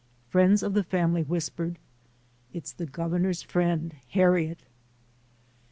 Friends of the family whispered, "It's the Governor's friend, Harriet".